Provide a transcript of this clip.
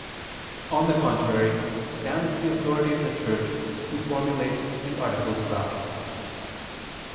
On the contrary stands the authority of the Church who formulates the articles thus.